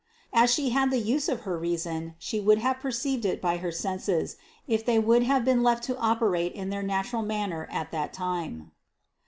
As She had the use of her reason, She would have perceived it by her senses, if they would have been left to operate in their natural manner at that time.